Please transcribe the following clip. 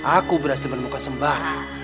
aku berhasil menemukan sembarang